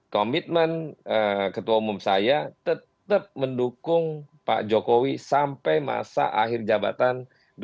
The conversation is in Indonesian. komitmen ketua umum saya tetap mendukung pak jokowi sampai masa akhir jabatan dua ribu sembilan belas